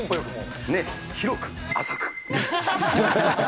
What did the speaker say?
広く、浅く。